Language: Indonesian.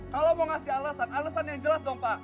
kalau mau ngasih alasan alasan yang jelas dong pak